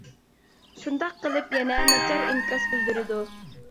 شۇنداق قىلىپ يەنە ناچار ئىنكاس بىلدۈرىدۇ.